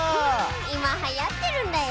いまはやってるんだよ。